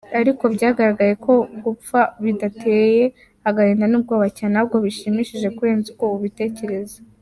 Ariko byagaragaye ko gupfa bidateye agahinda n’ubwoba cyane, ahubwo bishimishije kurenza uko ubitekereza.